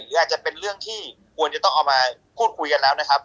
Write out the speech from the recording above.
หรืออาจจะเป็นเรื่องที่ควรจะต้องเอามาพูดคุยกันแล้วนะครับ